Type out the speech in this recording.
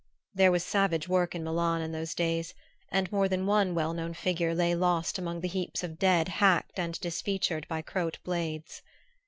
There was savage work in Milan in those days, and more than one well known figure lay lost among the heaps of dead hacked and disfeatured by Croat blades.